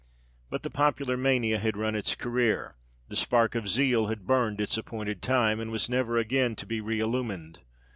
But the popular mania had run its career; the spark of zeal had burned its appointed time, and was never again to be re illumined.